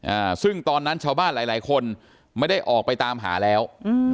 อ่าซึ่งตอนนั้นชาวบ้านหลายหลายคนไม่ได้ออกไปตามหาแล้วอืม